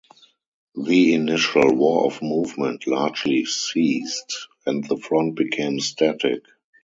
The initial "war of movement" largely ceased, and the front became static.